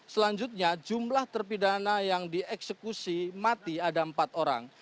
selanjutnya jumlah terpidana yang dieksekusi mati ada empat orang